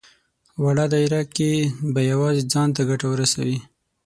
وړه دايره کې به يوازې ځان ته ګټه ورسوي.